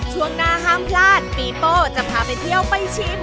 ช่วงหน้าห้ามพลาดปีโป้จะพาไปเที่ยวไปชิม